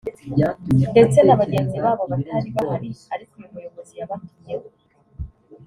ndetse na bagenzi babo batari bahari ariko uyu muyobozi yabatumyeho